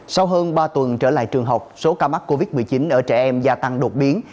sau hơn ba tuần trở lại trường học số ca mắc covid một mươi chín ở trẻ em gia tăng đột biến